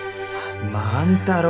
万太郎。